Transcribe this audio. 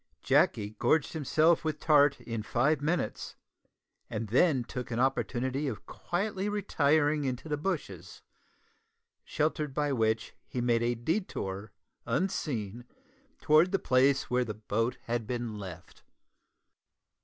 Jacky gorged himself with tart in five minutes, and then took an opportunity of quietly retiring into the bushes, sheltered by which he made a detour unseen towards the place where the boat had been left.